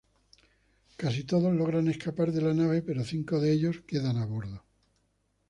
Casi todos logran escapar de la nave pero cinco de ellos quedan a bordo.